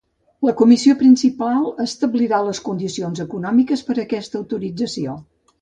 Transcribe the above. La Comissió principal establirà les condicions econòmiques per a aquesta autorització.